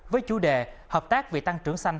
với chủ đề hợp tác về tăng trưởng xanh